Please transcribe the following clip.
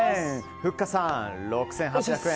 ふっかさん、６８００円。